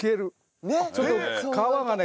ちょっと皮がね